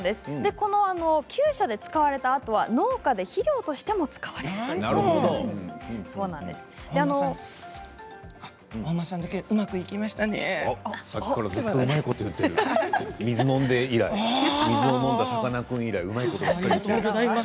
この、きゅう舎で使われたあとは農家で肥料としても使われるということです。